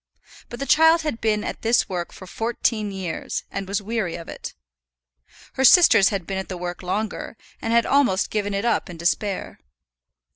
But the child had been at this work for fourteen years, and was weary of it. Her sisters had been at the work longer, and had almost given it up in despair.